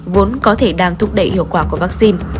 vốn có thể đang thúc đẩy hiệu quả của vaccine